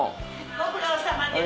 ご苦労さまです。